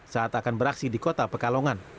saat akan beraksi di kota pekalongan